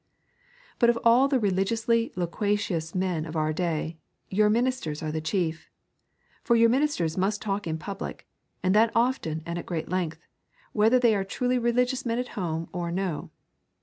But of all the religiously loquacious men of our day, your ministers are the chief. For your ministers must talk in public, and that often and at great length, whether they are truly religious men at home or no.